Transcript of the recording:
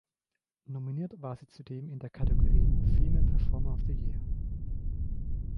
Nominiert war sie zudem in der Kategorie "Female Performer of the Year".